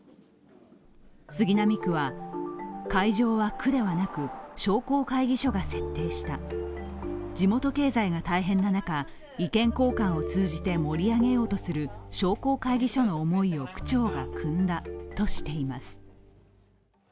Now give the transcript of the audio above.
杉並区は、会場は区ではなく商工会議所が設定した、地元経済が大変な中、意見交換を通じて盛り上げようとする商工会議所の思いを区長がくんだとしています。